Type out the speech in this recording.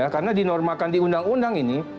karena dinormalkan di undang undang ini